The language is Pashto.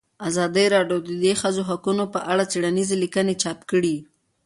ازادي راډیو د د ښځو حقونه په اړه څېړنیزې لیکنې چاپ کړي.